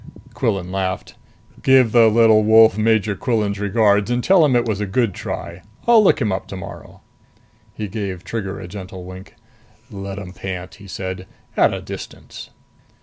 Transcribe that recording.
Quillan laughed. "Give the little wolf Major Quillan's regards and tell him it was a good try. I'll look him up tomorrow." He gave Trigger gentle wink. "Let 'em pant," he said. "At a distance!"